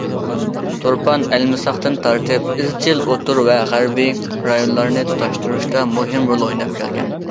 تۇرپان ئەلمىساقتىن تارتىپ ئىزچىل ئوتتۇرا ۋە غەربىي رايونلارنى تۇتاشتۇرۇشتا مۇھىم رول ئويناپ كەلگەن.